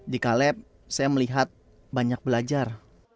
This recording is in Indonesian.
di caleb saya melihat banyak belajar